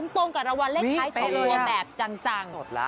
๓๐ตรงกับละวันเลข๒นวลแบบจัง